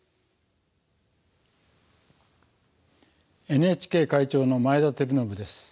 ＮＨＫ会長の前田晃伸です。